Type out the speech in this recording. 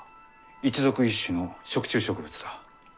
一属一種の食虫植物だ。